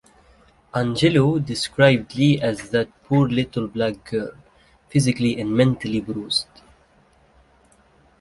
Angelou described Lee as that poor little Black girl, physically and mentally bruised.